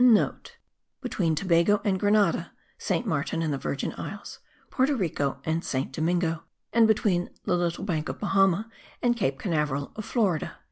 (* Between Tobago and Grenada; Saint Martin and the Virgin Isles; Porto Rico and Saint Domingo; and between the Little Bank of Bahama and Cape Canaveral of Florida.)